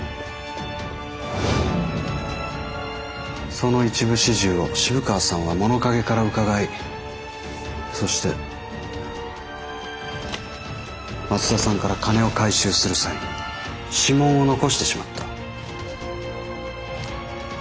その一部始終を渋川さんは物陰からうかがいそして松田さんから金を回収する際指紋を残してしまった。